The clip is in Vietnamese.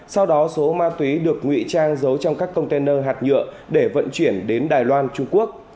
sau đó số ma túy được ngụy trang giấu trong các container hạt nhựa để vận chuyển đến đài loan trung quốc